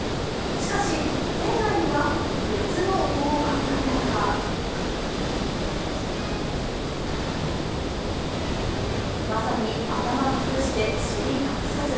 しかし、店内には別の防犯カメラがまさに頭隠して尻隠さず。